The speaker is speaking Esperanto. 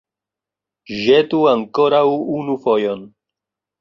Ĵetu ankoraŭ unu fojon!